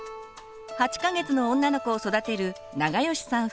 ８か月の女の子を育てる永吉さん